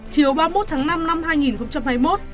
chiều ba mươi một tháng năm năm hai nghìn hai mươi một